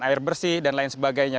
air bersih dan lain sebagainya